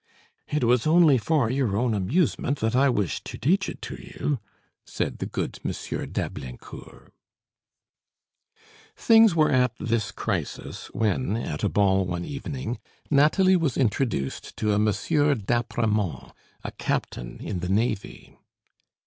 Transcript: "It was only for your own amusement that I wished to teach it to you," said the good M. d'Ablaincourt. Things were at this crisis when, at a ball one evening, Nathalie was introduced to a M. d'Apremont, a captain in the navy.